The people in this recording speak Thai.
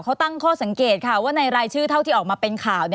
เขาตั้งข้อสังเกตค่ะว่าในรายชื่อเท่าที่ออกมาเป็นข่าว